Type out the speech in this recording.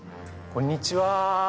こんにちは。